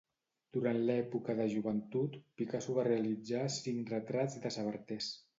Durant l'època de joventut, Picasso va realitzar cinc retrats de Sabartés.